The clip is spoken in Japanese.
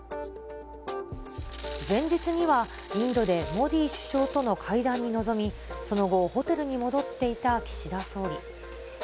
前日にはインドでモディ首相との会談に臨み、その後、ホテルに戻っていた岸田総理。